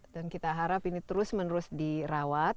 dan kita harap ini terus menerus dirawat